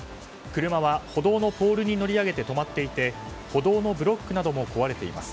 車は歩道のポールに乗り上げて止まっていて歩道のブロックなども壊れています。